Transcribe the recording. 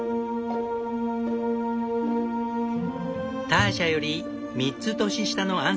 ターシャより３つ年下のアンさん。